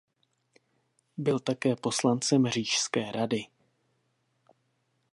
Byl také poslancem Říšské rady.